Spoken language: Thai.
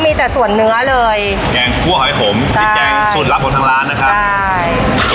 มีแต่ส่วนเนื้อเลยแกงคั่วหอยหมพริกแกงสูตรลับของทางร้านนะครับใช่